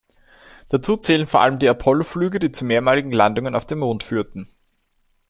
Dazu zählen vor allem die Apollo-Flüge, die zu mehrmaligen Landungen auf dem Mond führten.